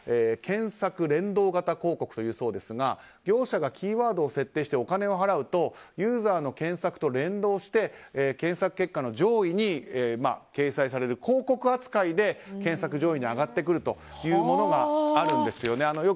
検索連動型広告というそうですが業者がキーワードを設定してお金を払うとユーザーの検索と連動して検索結果の上位に掲載される広告扱いで、検索上位に上がってくるというものがあるんです。